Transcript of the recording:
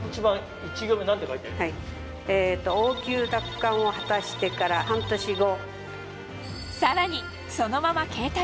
「王宮奪還を果たしてから半年後」。